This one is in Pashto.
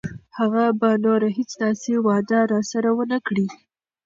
هغه به نوره هیڅ داسې وعده راسره ونه کړي.